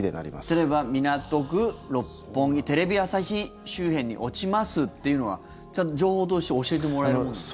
例えば港区六本木、テレビ朝日周辺に落ちますというのはちゃんと情報として教えてもらえるんですか？